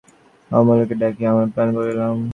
অমূল্যকে ডাকিয়া আমার প্ল্যান বলিলাম।